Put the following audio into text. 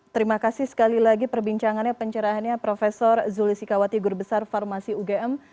terima kasih sekali lagi perbincangannya pencerahannya profesor zuli sikawati gurbesar farmasi ugm